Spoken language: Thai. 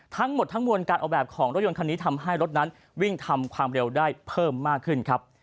ทั้งหมดทั้งมวลการออกแบบของรถยนต์คันนี้ทำให้รถนั้นวิ่งทำความเร็วได้เพิ่มมากขึ้นครับ